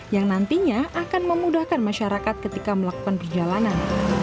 yang nantinya akan memudahkan masyarakat ketika melakukan perjalanan